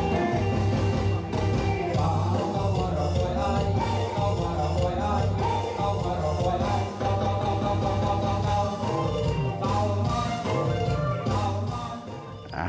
ถ่าย